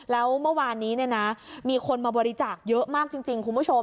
แล้วเมื่อวานนี้มีคนมาบริจาคเยอะมากจริงคุณผู้ชม